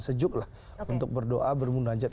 sejuk lah untuk berdoa bermunajat